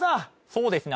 そうですね